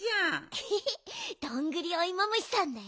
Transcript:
エヘヘどんぐりおいも虫さんだよ。